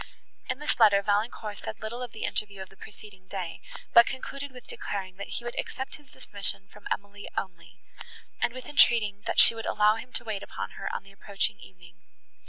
In this letter Valancourt said little of the interview of the preceding day, but concluded with declaring, that he would accept his dismission from Emily only, and with entreating, that she would allow him to wait upon her, on the approaching evening.